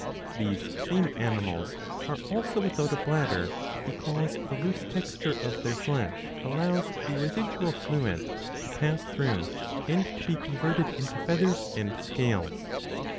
These same animals are also without a bladder, because the loose texture of their flesh allows the residual fluid to pass through and to be converted into feathers and scales.